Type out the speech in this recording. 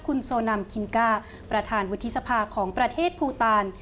คุณโซนัมคินก้าประธานวุฒิสภาของประเทศภูตาล